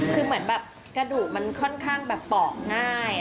คือเหมือนแบบกระดูกมันค่อนข้างแบบปอกง่าย